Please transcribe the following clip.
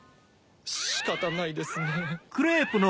しかたないですね。